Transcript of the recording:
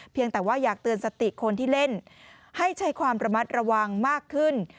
แต่ว่าอยากเตือนสติคนที่เล่นให้ใช้ความระมัดระวังมากขึ้น